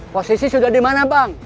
posisi sudah dimana bang